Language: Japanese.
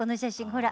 ほら。